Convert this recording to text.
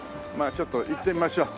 ちょっと行ってみましょう。